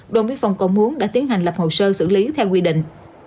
đồn biên phòng cầu muốn đã tiến hành lập hồ sơ xử lý theo quy định